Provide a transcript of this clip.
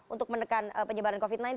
untuk menekan penyebaran covid sembilan belas